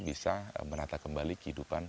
bisa menata kembali kehidupan